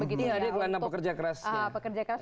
iya dia gelendang pekerja keras